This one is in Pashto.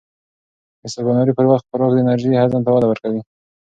د سباناري پر وخت خوراک د انرژۍ هضم ته وده ورکوي.